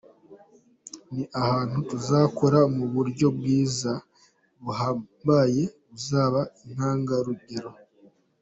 Ni ahantu tuzakora mu buryo bwiza, buhambaye, buzaba intangarugero.